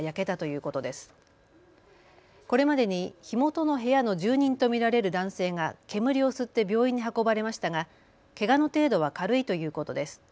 これまでに火元の部屋の住人と見られる男性が煙を吸って病院に運ばれましたが、けがの程度は軽いということです。